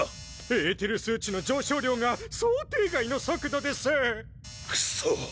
エーテル数値の上昇量が想定外の速度です！クソ！